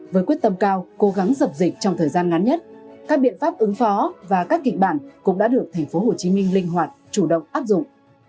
với quyết tâm cao cố gắng dập dịch trong thời gian ngắn nhất các biện pháp ứng phó và các kịch bản cũng đã được thành phố hồ chí minh linh hoạt chủ động áp dụng